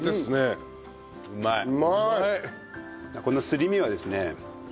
このすり身はですね